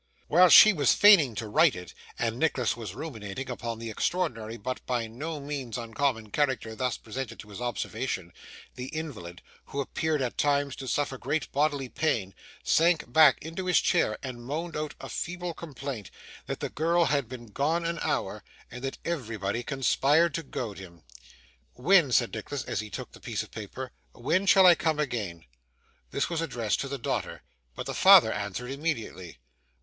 While she was feigning to write it, and Nicholas was ruminating upon the extraordinary but by no means uncommon character thus presented to his observation, the invalid, who appeared at times to suffer great bodily pain, sank back in his chair and moaned out a feeble complaint that the girl had been gone an hour, and that everybody conspired to goad him. 'When,' said Nicholas, as he took the piece of paper, 'when shall I call again?' This was addressed to the daughter, but the father answered immediately.